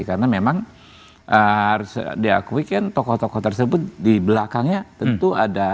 karena memang harus diakui kan tokoh tokoh tersebut di belakangnya tentu ada